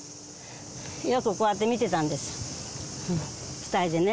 よくこうやって見てたんです、２人でね。